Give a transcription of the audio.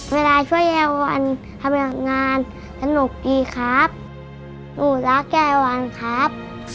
เวลาช่วยยายวันทำงานสนุกดีครับหนูรักยายวันครับ